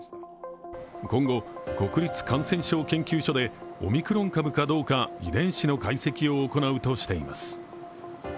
今後、国立感染症研究所でオミクロン株かどうか遺伝子の解析を行うとしています。